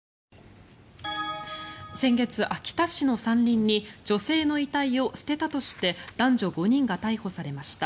先月、秋田市の山林に女性の遺体を捨てたとして男女５人が逮捕されました。